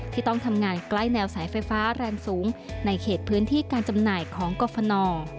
ที่ต้องทำงานใกล้แนวสายไฟฟ้าแรงสูงในเขตพื้นที่การจำหน่ายของกรฟน